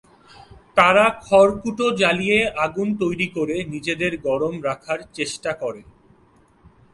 তারা খড়কুটো জ্বালিয়ে আগুন তৈরি করে নিজেদের গরম রাখার চেষ্টা করে।